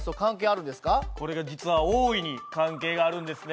これが実は大いに関係があるんですね。